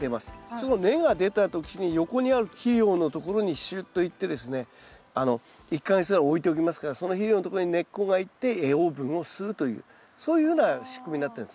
その根が出た時に横にある肥料のところにシュッといってですね１か月ぐらい置いておきますからその肥料のところに根っこがいって栄養分を吸うというそういうような仕組みになってるんです。